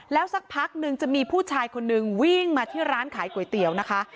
แล้วสักพักนึงจะมีผู้ชายคนนึงวิ่งมาที่ร้านขายก๋วยเตี๋ยวนะคะ